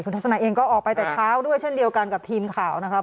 ทัศนัยเองก็ออกไปแต่เช้าด้วยเช่นเดียวกันกับทีมข่าวนะครับ